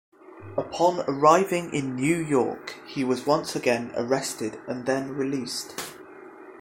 Upon arriving in New York, he was once again arrested and then released.